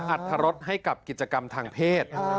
อัตรรสให้กับกิจกรรมทางเพศ